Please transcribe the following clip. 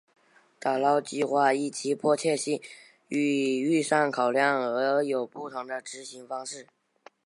打捞计画依其迫切性与预算考量而有不同的执行方式。